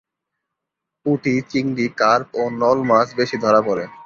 পুঁটি, চিংড়ি, কার্প ও নল মাছ বেশি ধরা পড়ে।